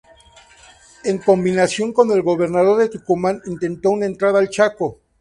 En combinación con el gobernador de Tucumán intentó una entrada al Chaco.